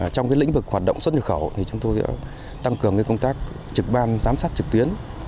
trong lĩnh vực hoạt động xuất thực khẩu chúng tôi đã tăng cường công tác trực ban giám sát trực tiến